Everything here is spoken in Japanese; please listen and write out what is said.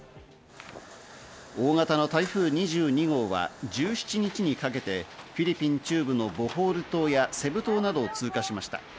大型の台風２２号は１７日にかけてフィリピン中部のボホール島やセブ島などを通過しました。